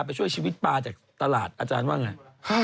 ไปช่วยชีวิตปลาจากตลาดอาจารย์ว่าไง